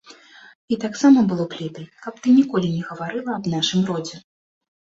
І таксама было б лепей, каб ты ніколі не гаварыла аб нашым родзе.